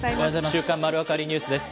週刊まるわかりニュースです。